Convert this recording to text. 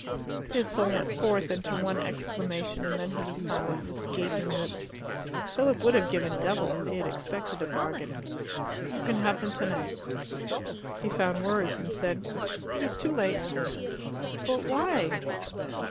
His soul went forth into one exclamation, and then he was silent, with gaping lips. Philip would have given double: he had expected a bargain. "You can have them tonight." He found words, and said, "It is too late." "But why?"